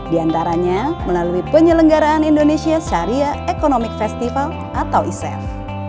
di antaranya melalui penyelenggaraan indonesia sharia economic festival atau isaf